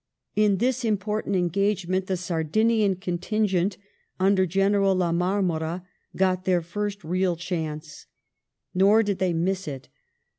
In this important engagement the Sai dinian contingent, under General La Marmora, got their fii st real chance. Nor did they miss it.